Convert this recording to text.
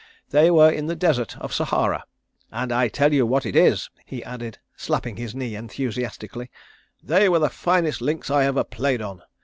They were in the desert of Sahara. And I tell you what it is," he added, slapping his knee enthusiastically, "they were the finest links I ever played on.